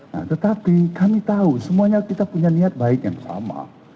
nah tetapi kami tahu semuanya kita punya niat baik yang sama